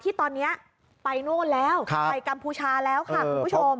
ที่ตอนนี้ไปนู่นแล้วไปกัมพูชาแล้วค่ะ